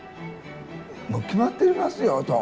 もう決まっていますよと。